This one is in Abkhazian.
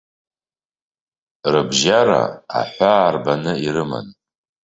Рыбжьара аҳәаа арбаны ирыман.